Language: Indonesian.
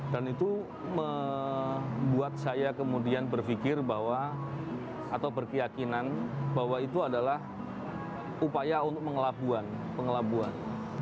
dan itu membuat saya kemudian berpikir bahwa atau berkeyakinan bahwa itu adalah upaya untuk pengelabuan